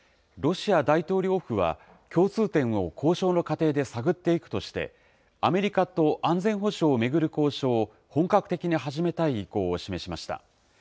ロシア大統領府は、共通点を交渉の過程で探っていくとして、アメリカと安全保障を巡る交渉を、本格的に始めたい意向を示しました。